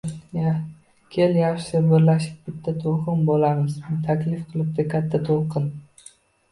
– Kel, yaxshisi birlashib bitta to‘lqin bo‘lamiz, – taklif qilibdi Katta to‘lqin